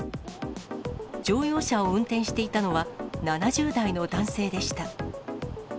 乗用車を運転していたのは、７０代の男性でした。